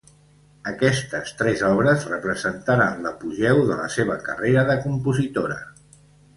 Aquestes tres obres representaren l'apogeu de la seva carrera de compositora.